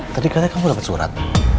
tadi katanya kamu dapat surat